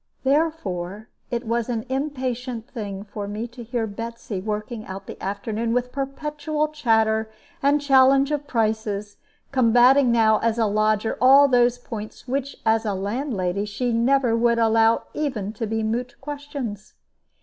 Therefore it was an impatient thing for me to hear Betsy working out the afternoon with perpetual chatter and challenge of prices, combating now as a lodger all those points which as a landlady she never would allow even to be moot questions.